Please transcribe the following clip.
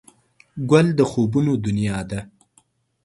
ګل د خوبونو دنیا ده.